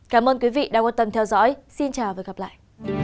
cảm ơn quý vị đã quan tâm theo dõi xin chào và gặp lại